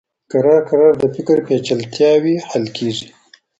کرار کرار د فکر پېچلتياوې حل کېږي.